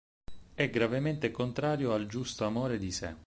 È gravemente contrario al giusto amore di sé.